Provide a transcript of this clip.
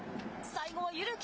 最後は汰木。